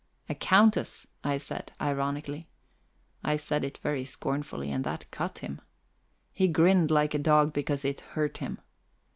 "A countess," I said ironically. I said it very scornfully, and that cut him. He grinned like a dog because it hurt him.